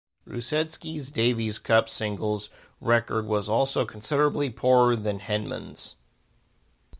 Rusedski's Davis Cup singles record was also considerably poorer than Henman's.